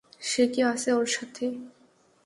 সে কি আছে ওর সাথে?